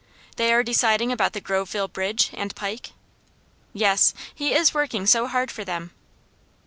"They are deciding about the Groveville bridge, and pike?" "Yes. He is working so hard for them."